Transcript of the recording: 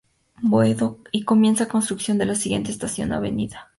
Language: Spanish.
Boedo" y comienza la construcción de la siguiente estación: "Av.